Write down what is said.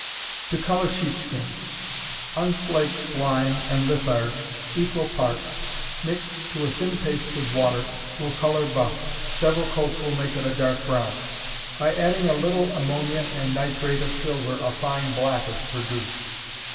To Color Sheep Skins. Unslaked lime and litharge equal parts, mixed to a thin paste with water, will color buff several coats will make it a dark brown; by adding a little ammonia and nitrate of silver a fine black is produced.